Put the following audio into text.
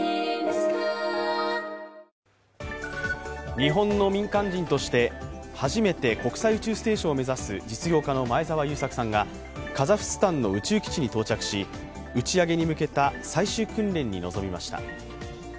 日本の民間人として初めて国際宇宙ステーションを目指す実業家の前澤友作さんがカザフスタンの宇宙基地に到着し、打ち上げに向けた最終訓練に臨みました。